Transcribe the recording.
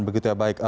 begitu ya baik